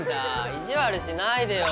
意地悪しないでよ。